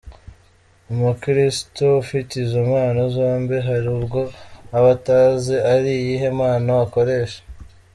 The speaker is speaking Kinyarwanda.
Umukiristo ufite izo mpano zombi, hari ubwo aba atazi ari iyihe mpano akoresha.